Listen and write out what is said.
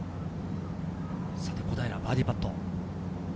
小平のバーディーパット。